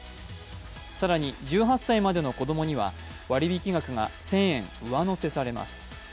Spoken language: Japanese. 更に１８歳までの子供には割引額が１０００円上乗せされます。